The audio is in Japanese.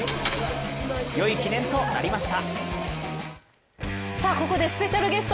よい記念となりました。